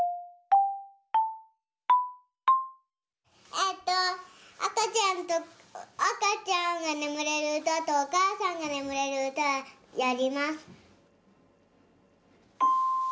えっとあかちゃんとあかちゃんがねむれるうたとおかあさんがねむれるうたやります。